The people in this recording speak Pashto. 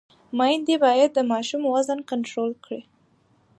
میندې باید د ماشوم وزن کنټرول کړي۔